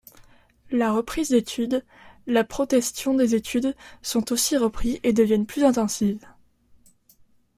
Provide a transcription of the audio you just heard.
La reprise d’étude, la protestions des études sont aussi repris et devient plus intensive.